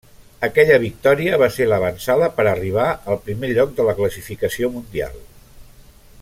Aquella victòria va ser l'avantsala per a arribar al primer lloc de la classificació mundial.